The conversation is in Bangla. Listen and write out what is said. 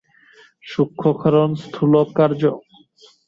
সূক্ষ্ম কারণ, স্থূল কার্য।